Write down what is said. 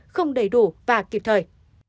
không đầy đủ và kịp thời